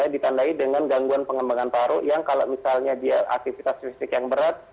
ditandai dengan gangguan pengembangan paru yang kalau misalnya dia aktivitas fisik yang berat